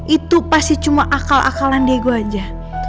itu pasti cuma akal akalan dia gue aja